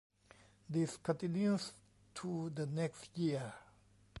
This continues to the next year.